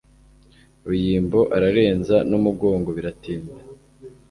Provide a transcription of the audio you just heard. ruyimbo ararenza numugongo biratinda